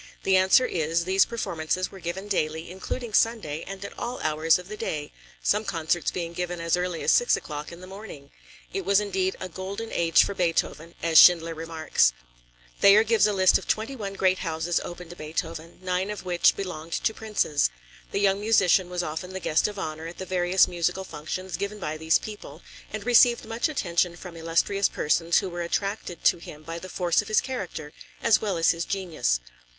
The answer is: these performances were given daily, including Sunday, and at all hours of the day, some concerts being given as early as six o'clock in the morning. It was indeed a "golden age for Beethoven," as Schindler remarks. Thayer gives a list of twenty one great houses open to Beethoven, nine of which belonged to princes. The young musician was often the guest of honor at the various musical functions given by these people, and received much attention from illustrious persons who were attracted to him by the force of his character as well as his genius.